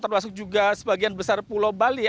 termasuk juga sebagian besar pulau bali